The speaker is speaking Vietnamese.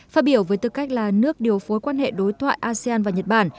phát biểu với tư cách là nước điều phối quan hệ đối thoại asean và nhật bản